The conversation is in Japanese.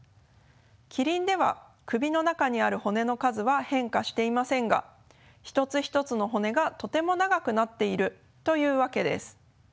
キリンでは首の中にある骨の数は変化していませんが一つ一つの骨がとても長くなっているというわけです。